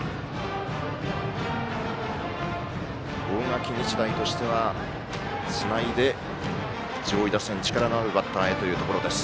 大垣日大としてはつないで、上位打線力のあるバッターへというところです。